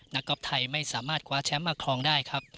ก๊อฟไทยไม่สามารถคว้าแชมป์มาครองได้ครับ